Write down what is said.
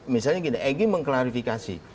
misalnya egy mengklarifikasi